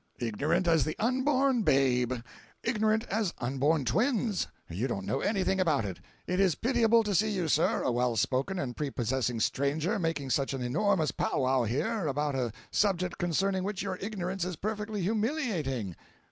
ignorant as the unborn babe! ignorant as unborn twins! You don't know anything about it! It is pitiable to see you, sir, a well spoken and prepossessing stranger, making such an enormous pow wow here about a subject concerning which your ignorance is perfectly humiliating!